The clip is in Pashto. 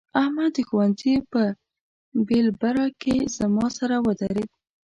احمد د ښوونځي په بېلبره کې زما سره ودرېد.